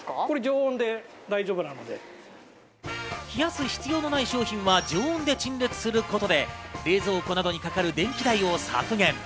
冷やす必要のない商品は常温で陳列することで冷蔵庫などにかかる電気代を削減。